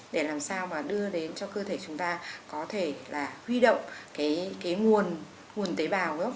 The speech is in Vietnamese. để làm sao mà đưa đến cho cơ thể chúng ta có thể là huy động cái nguồn tế bào gốc